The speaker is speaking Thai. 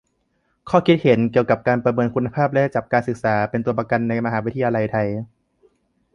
ข้อคิดเห็น เกี่ยวกับการเมินคุณภาพและจับการศึกษาเป็นตัวประกันในมหาวิทยาลัยไทย